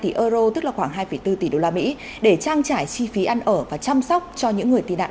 tỷ euro tức là khoảng hai bốn tỷ đô la mỹ để trang trải chi phí ăn ở và chăm sóc cho những người tị nạn